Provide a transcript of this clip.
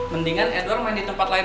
mendingan edward main di tempat lain